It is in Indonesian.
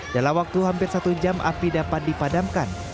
dalam waktu hampir satu jam api dapat dipadamkan